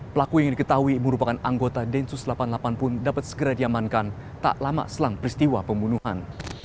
pelaku yang diketahui merupakan anggota densus delapan puluh delapan pun dapat segera diamankan tak lama selang peristiwa pembunuhan